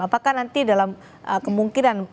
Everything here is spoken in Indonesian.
apakah nanti dalam kemungkinan